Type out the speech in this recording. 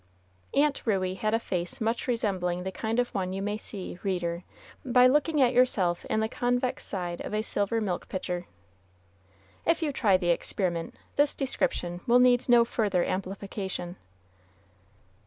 Aunt Ruey had a face much resembling the kind of one you may see, reader, by looking at yourself in the convex side of a silver milk pitcher. If you try the experiment, this description will need no further amplification.